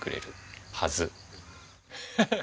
ハハハハ。